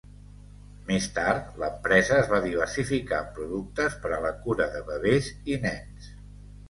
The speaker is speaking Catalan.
Més tard, l'empresa es va diversificar en productes per a la cura de bebès i nens.